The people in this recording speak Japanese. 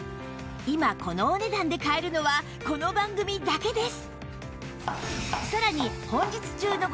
今このお値段で買えるのはこの番組だけです